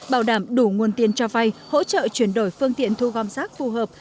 bảo đảm đủ nguồn tiền cho vay hỗ trợ chuyển đổi phương tiện thu gom rác phù hợp